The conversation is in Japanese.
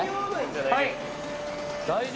はい。